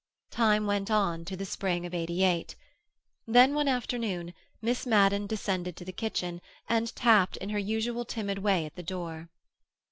Time went on to the spring of '88. Then, one afternoon, Miss Madden descended to the kitchen and tapped in her usual timid way at the door.